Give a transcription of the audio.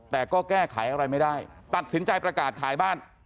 แต่ก็แก้ไขอะไรไม่ได้ตัดสินใจประกาศขายบ้าน